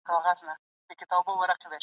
موږ باید د خپلو زېرمو ساتنه وکړو.